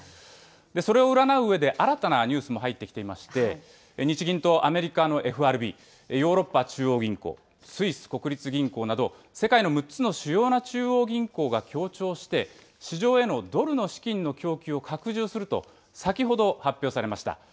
それを占ううえで、新たなニュースも入ってきていまして、日銀とアメリカのＦＲＢ、ヨーロッパ中央銀行、スイス国立銀行など、世界の６つの主要な中央銀行が協調して、市場へのドルの資金の供給を拡充すると、先ほど発表されました。